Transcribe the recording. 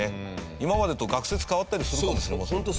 今までと学説変わったりするかもしれませんもんね。